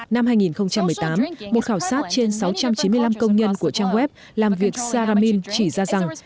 năm hai nghìn một mươi tám một khảo sát trên sáu trăm chín mươi năm công nhân của trang web làm việc saramin chỉ ra rằng